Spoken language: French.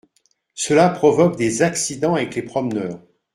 Cela provoque des accidents avec les promeneurs.